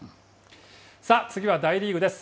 さあ、次は大リーグです。